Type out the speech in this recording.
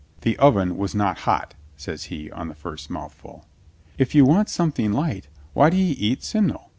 "The oven was not hot," says he on the first mouthful. "If you want something light, why do 'e eat sim nel?"